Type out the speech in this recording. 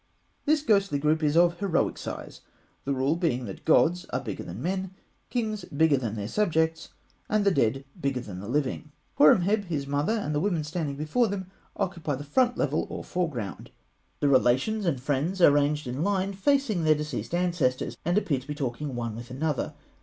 This ghostly group is of heroic size, the rule being that gods are bigger than men, kings bigger than their subjects, and the dead bigger than the living. Horemheb, his mother, and the women standing before them, occupy the front level, or foreground. The relations and friends are ranged in line facing their deceased ancestors, and appear to be talking one with another.